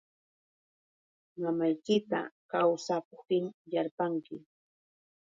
Mamaykita kawsaptinyarpanki.